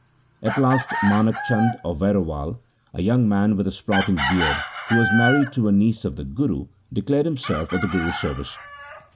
At last Manak Chand of Vairowal, a young man with a sprouting beard, who was married to a niece of the Guru, declared himself at the Guru's service.